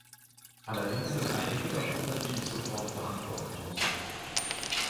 Allerdings sind einige darunter, die ich sofort beantworten muss.